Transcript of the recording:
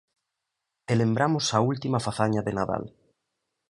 E lembramos a última fazaña de Nadal.